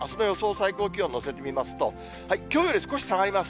最高気温を載せてみますと、きょうより少し下がります。